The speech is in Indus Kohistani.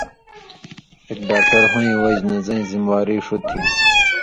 اېک ڈاکٹر ہویں وجہۡ نہ زَیں ذمواری ݜُو تھی